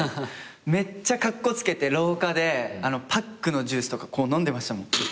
めっちゃカッコつけて廊下でパックのジュースとかこう飲んでましたもん。